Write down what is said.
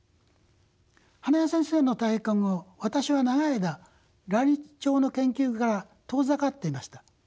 羽田先生の退官後私は長い間ライチョウの研究から遠ざかっていました。